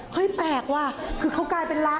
แปลกว่ะคือเขากลายเป็นรัก